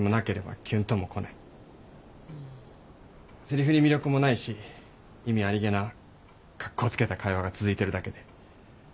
せりふに魅力もないし意味ありげな格好つけた会話が続いてるだけで。